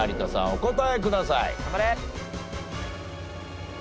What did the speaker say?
お答えください。